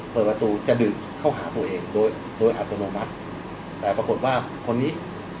เปิดประตูจะดึงเข้าหาตัวเองโดยโดยอัตโนมัติแต่ปรากฏว่าคนนี้